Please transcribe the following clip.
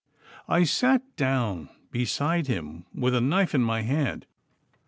I sat down beside him with the knife in my hand.